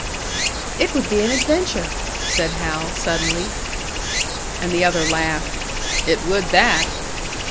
"It would be an adventure," said Hal, suddenly. And the other laughed. "It would that!"